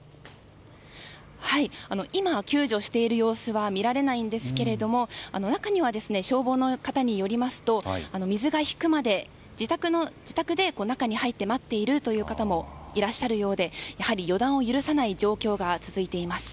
今は救助している様子は見られないんですが消防の方によりますと中には水が引くまで自宅で中に入って待っているという方もいらっしゃるようでやはり予断を許さない状況が続いています。